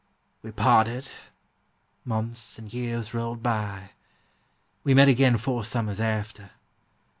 We parted: months and years rolled by; We met again four summers after.